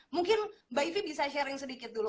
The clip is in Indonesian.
mungkin mbak ivi bisa sharing sedikit dulu